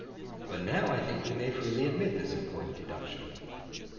But now, I think, we may freely admit this important deduction.